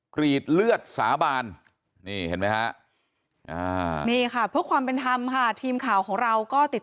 กรีดเลือดสาบานนี่เห็นไหมฮะนี่ค่ะเพื่อความเป็นธรรมค่ะทีมข่าวของเราก็ติด